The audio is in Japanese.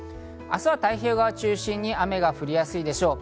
明日は太平洋側を中心に雨が降りやすいでしょう。